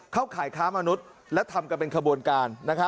ขายค้ามนุษย์และทำกันเป็นขบวนการ